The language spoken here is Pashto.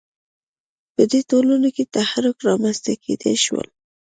په دې ټولنو کې تحرک رامنځته کېدای شوای.